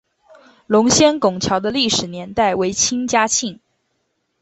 龙仙拱桥的历史年代为清嘉庆。